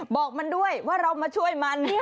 บอกมันด้วยว่าเรามาช่วยมัน